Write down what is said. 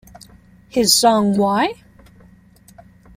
His song Why?